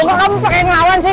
kok kamu pake ngelawan sih